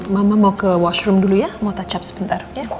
mama mau ke washroom dulu ya mau touch up sebentar